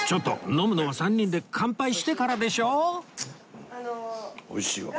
飲むのは３人で乾杯してからでしょ！